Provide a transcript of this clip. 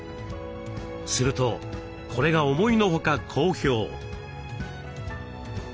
するとこれが思いのほか好評。